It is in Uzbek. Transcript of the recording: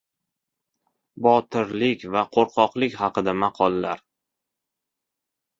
Botirlik va qo‘rqoqlik haqida maqollar.